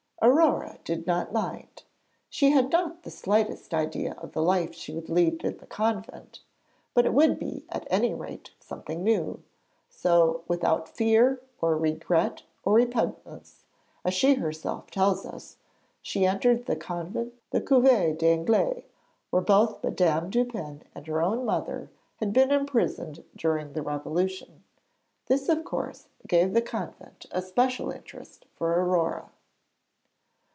Aurore did not mind. She had not the slightest idea of the life she would lead in the convent, but it would at any rate be something new. So, 'without fear, or regret, or repugnance,' as she herself tells us, she entered the 'Couvent des Anglaises,' where both Madame Dupin and her own mother had been imprisoned during the Revolution. This, of course, gave the convent a special interest for Aurore.